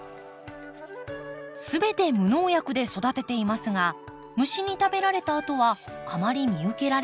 全て無農薬で育てていますが虫に食べられたあとはあまり見受けられません。